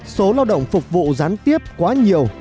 số lao động phục vụ gián tiếp quá nhiều